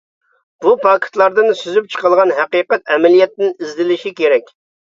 بۇ پاكىتلاردىن سۈزۈپ چىقىلغان ھەقىقەت ئەمەلىيەتتىن ئىزدىلىشى كېرەك.